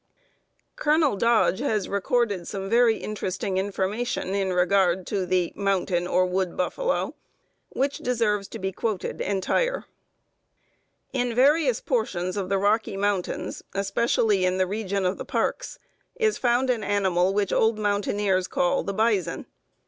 Colonel Dodge has recorded some very interesting information in regard to the "mountain, or wood buffalo," which deserves to be quoted entire. [Note 34: Plains of the Great West, p. 144 147.] "In various portions of the Rocky Mountains, especially in the region of the parks, is found an animal which old mountaineers call the 'bison.'